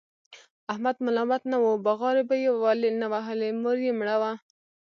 احمد ملامت نه و، بغارې به یې ولې نه وهلې؛ مور یې مړه وه.